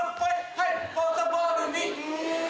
はいポートボールミー。